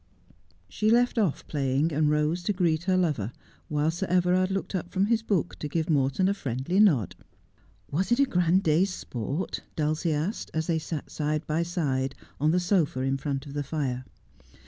She left off playing, and rose to greet her lover, while Sir Everard looked up from his book to give Morton a friendly nod. ' Was it a grand day's sport ?' Dufcie asked as they sat side by side on the sofa in front of the fire.